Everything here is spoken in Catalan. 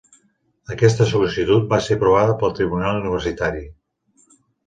Aquesta sol·licitud va ser aprovada pel Tribunal Universitari.